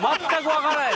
はい。